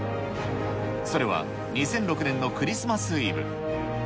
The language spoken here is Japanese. それは２００６年のクリスマス・イブ。